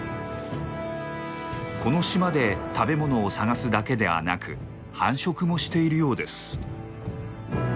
この島で食べ物を探すだけではなく繁殖もしているようです。